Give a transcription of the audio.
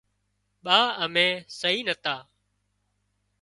ٻا امين سهي نتا